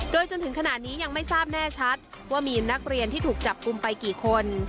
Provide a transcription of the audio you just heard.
โดยจนถึงขณะนี้ยังไม่ทราบแน่ชัดว่ามีนักเรียนที่ถูกจับกลุ่มไปกี่คน